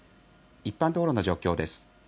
一般道路の状況です。